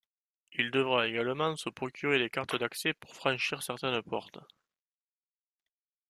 Il devra également se procurer des cartes d'accès pour franchir certaines portes.